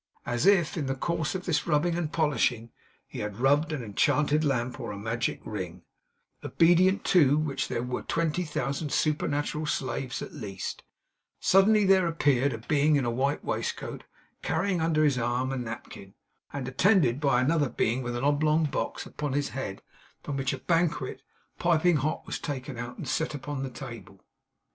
And as if, in the course of this rubbing and polishing, he had rubbed an enchanted lamp or a magic ring, obedient to which there were twenty thousand supernatural slaves at least, suddenly there appeared a being in a white waistcoat, carrying under his arm a napkin, and attended by another being with an oblong box upon his head, from which a banquet, piping hot, was taken out and set upon the table.